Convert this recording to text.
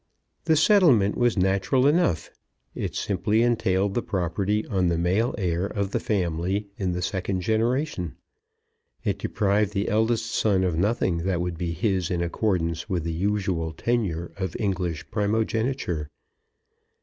The settlement was natural enough. It simply entailed the property on the male heir of the family in the second generation. It deprived the eldest son of nothing that would be his in accordance with the usual tenure of English primogeniture.